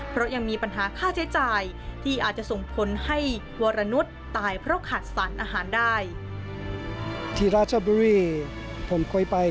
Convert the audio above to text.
เพราะยังมีปัญหาค่าใช้จ่ายที่อาจจะส่งผลให้วรนุษย์ตายเพราะขาดสารอาหารได้